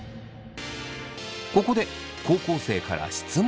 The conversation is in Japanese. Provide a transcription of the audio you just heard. ここで高校生から質問が。